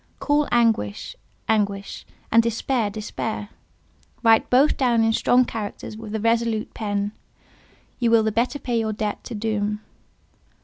Call anguish—anguish, and despair—despair; write both down in strong characters with a resolute pen: you will the better pay your debt to Doom.